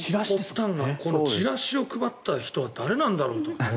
チラシを配った人は誰なんだろうと。